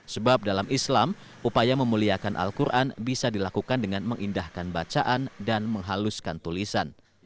sebab dalam islam upaya memuliakan al quran bisa dilakukan dengan mengindahkan bacaan dan menghaluskan tulisan